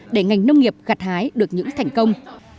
để ngành nông nghiệp gặt hái được những thành công